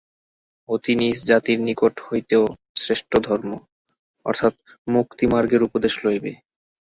অতি নীচ জাতির নিকট হইতেও শ্রেষ্ঠ ধর্ম অর্থাৎ মুক্তিমার্গের উপদেশ লইবে।